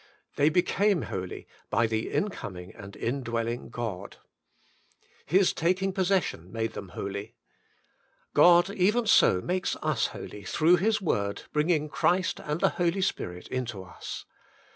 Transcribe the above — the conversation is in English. They became holy by the incoming and indwelling God. His taking possession made them holy. God even so makes us holy through His word bringing Christ and the Holy Spirit into us.